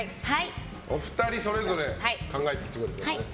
お二人それぞれ考えてきてくれたんですね。